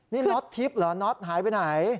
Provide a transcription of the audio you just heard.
นี่น็อตทิพย์เหรอน็อตหายไปไหน